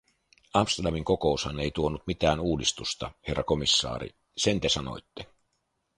Amsterdamin huippukokoushan ei tuonut mitään uudistusta, herra komissaari, sen te sanoitte.